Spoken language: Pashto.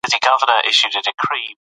تېر مهال د اوس درس ورکوي.